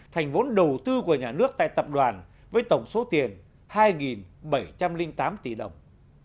thành vốn đầu tư của nhà nước tại tập đoàn với tổng số tiền hai bảy trăm linh tám tỷ đồng